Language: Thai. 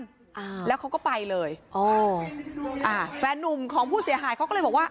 อ่าแล้วเขาก็ไปเลยอ๋ออ่าแฟนนุ่มของผู้เสียหายเขาก็เลยบอกว่า